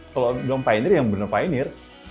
kalau gue bilang pioneer yang bener bener pioneer